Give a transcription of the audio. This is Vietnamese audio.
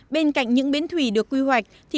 bên cạnh những biến thủy được quy hoạch